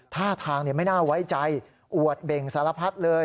ท่าทางไม่น่าไว้ใจอวดเบ่งสารพัดเลย